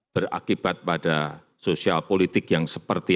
berakibat pada sosial politik yang seperti